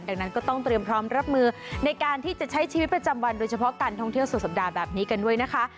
ดังนั้นก็ต้องเตรียมพร้อมรับมือในการที่จะใช้ชีวิตประจำวันโดยเฉพาะการท่องเที่ยวสุดสัปดาห์แบบนี้กันด้วยนะคะ